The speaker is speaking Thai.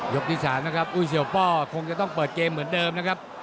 ที่๓นะครับอุ้ยเสียวป้อคงจะต้องเปิดเกมเหมือนเดิมนะครับ